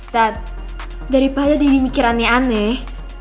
dad daripada deddy mikirannya aneh